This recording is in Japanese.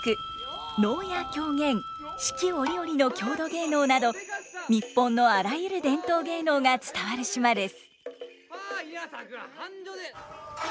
折々の郷土芸能など日本のあらゆる伝統芸能が伝わる島です。